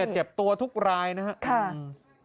เจ็บตัวทุกรายนะครับ